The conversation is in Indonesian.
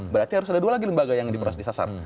berarti harus ada dua lagi lembaga yang disasar